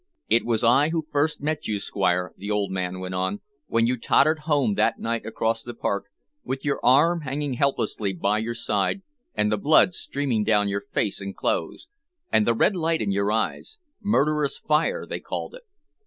"It was I who first met you, Squire," the old man went on, "when you tottered home that night across the park, with your arm hanging helplessly by your side, and the blood streaming down your face and clothes, and the red light in your eyes murderous fire, they called it.